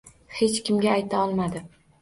Hech kimga ayta olmadi.